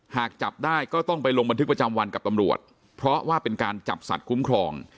หากจับได้ก็ต้องไปลงบันทึกประจำวันกับตำรวจเพราะว่าเป็นการจับสัตว์คุ้มครอง